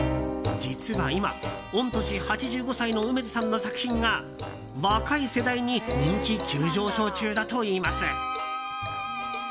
実は今御年８５歳の楳図さんの作品が若い世代に人気急上昇中だといいます。